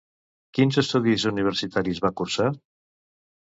Quins estudis universitaris va cursar?